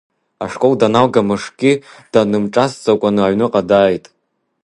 Ашкол даналга мышкгьы даанымҿасӡакәаны аҩныҟа дааит.